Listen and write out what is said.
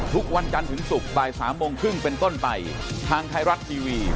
สวัสดีครับ